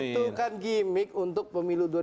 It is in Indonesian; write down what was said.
itu kan gimmick untuk pemilu dua ribu sembilan belas